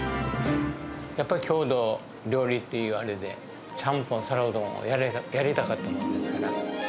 やっぱり郷土料理っていうあれで、ちゃんぽん、皿うどんはやりたかったもんですから。